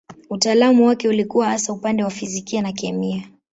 Utaalamu wake ulikuwa hasa upande wa fizikia na kemia.